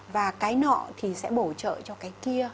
và cái nọ thì sẽ bổ trợ cho cái kia